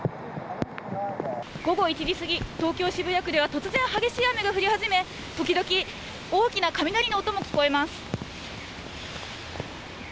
午後１時過ぎ、東京・渋谷区では突然激しい雨が降り始め、時々、大きな雷の音も聞こえます。